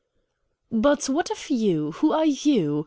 "But what of you? Who are you?